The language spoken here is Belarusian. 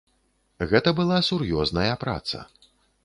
Гэта была сур'ёзная праца.